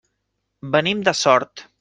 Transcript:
Venim de Sort.